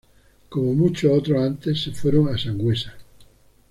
Como muchos otros antes, se fueron a Sangüesa.